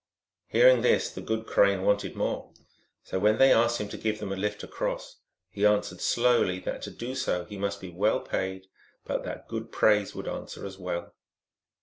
Hearing this, the good Crane wanted more ; so when they asked him to give them a lift across, he answered slowly that to do so he must be well paid, but that good praise would answer as well.